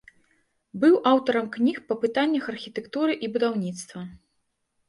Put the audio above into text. Быў аўтарам кніг па пытаннях архітэктуры і будаўніцтва.